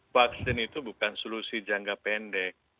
vaksin itu bukan solusi jangka pendek